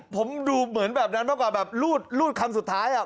ผมดูเหมือนแบบนั้นกว่าแบบรูดคำสุดท้ายอะ